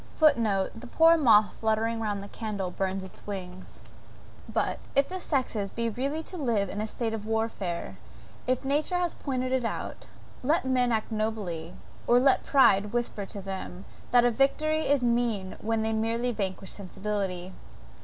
(*Footnote. The poor moth fluttering round a candle, burns its wings.) But, if the sexes be really to live in a state of warfare, if nature has pointed it out, let men act nobly, or let pride whisper to them, that the victory is mean when they merely vanquish sensibility.